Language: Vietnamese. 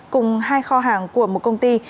cùng hai kho hàng của một công ty